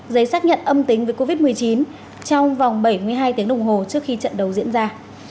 giấy xác nhận âm tính với covid một mươi chín trong vòng bảy mươi hai tiếng đồng hồ trước khi trận đấu diễn ra